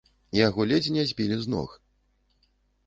Яго ледзь не збілі з ног.